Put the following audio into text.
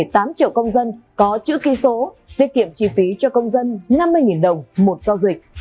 một tám triệu công dân có chữ ký số tiết kiệm chi phí cho công dân năm mươi đồng một giao dịch